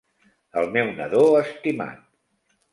El meu nadó estimat.